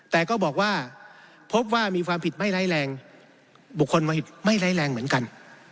แต่ก็บอกว่าพบว่ามีความผิดไม่ไร้แรงบุคคลมหิตไม่ไร้แรงเหมือนกัน